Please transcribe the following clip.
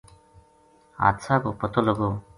حادثہ کو پتو لگو